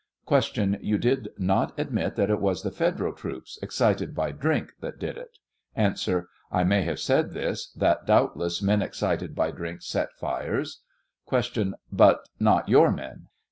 Q. You did not admit that it was thfe Federal troops, excited by drink, that did it ? A. I may have said this ; that doubtless men excited by drink set fires. Q. But not your men